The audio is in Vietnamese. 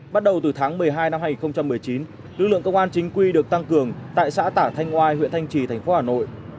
bắt đầu từ tháng một mươi hai năm hai nghìn một mươi chín lực lượng công an chính quy được tăng cường tại xã tả thanh oai huyện thanh trì thành phố hà nội